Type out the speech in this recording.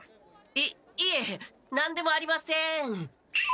いいえ何でもありません。